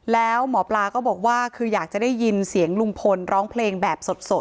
แล้วหมอปลาก็บอกว่าคืออยากจะได้ยินเสียงลุงพลร้องเพลงแบบสด